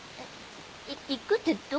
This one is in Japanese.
行くってどこへ？